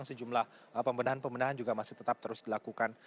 sejumlah pembendahan pembendahan juga masih tetap terus dilakukan